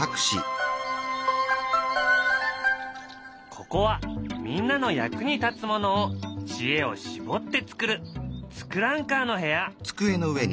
ここはみんなの役に立つものを知恵をしぼって作る「ツクランカー」の部屋。